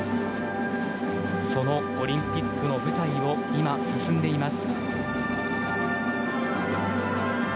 そのオリンピックの舞台を今、進んでいます。